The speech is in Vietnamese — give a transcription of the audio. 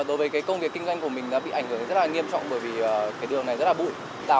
đối với cái công việc kinh doanh của mình đã bị ảnh hưởng rất là nghiêm trọng bởi vì cái đường này rất là bụi